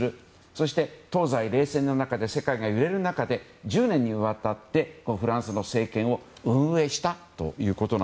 そして、東西冷戦で世界が揺れる中で１０年にわたってフランスの政権を運営したと。